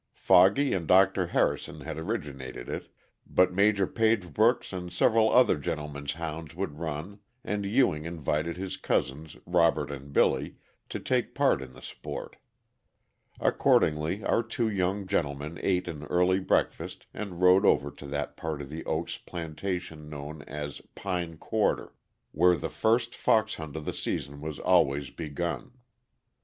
Foggy and Dr. Harrison had originated it, but Major Pagebrook's and several other gentlemen's hounds would run, and Ewing invited his cousins, Robert and Billy, to take part in the sport. Accordingly our two young gentlemen ate an early breakfast and rode over to that part of The Oaks plantation known as "Pine quarter," where the first fox hunt of the season was always begun.